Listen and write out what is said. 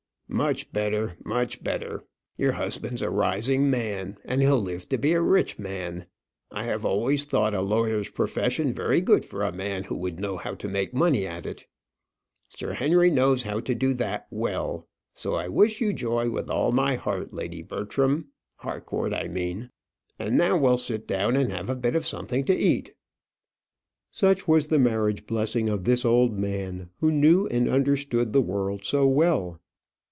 "Much better, much better. Your husband's a rising man, and he'll live to be a rich man. I have always thought a lawyer's profession very good for a man who would know how to make money at it. Sir Henry knows how to do that well. So I wish you joy with all my heart, Lady Bertram Harcourt, I mean. And now we'll sit down and have a bit of something to eat." Such was the marriage blessing of this old man, who knew and understood the world so well.